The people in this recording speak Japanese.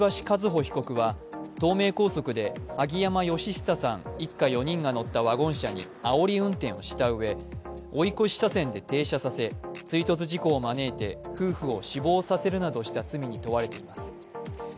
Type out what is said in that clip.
和歩被告は東名高速で萩山嘉久さん一家４人が乗ったワゴン車にあおり運転をしたうえ、追い越し車線で停車させ追突事故を招いて夫婦を死亡させるなどした罪に問われています。